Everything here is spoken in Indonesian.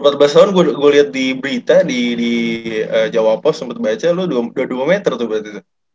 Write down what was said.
empat belas tahun gue lihat di berita di jawa post sempat baca lo dua puluh dua meter tuh berarti